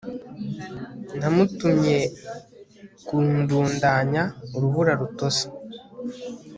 Namutumye kundundanya urubura rutose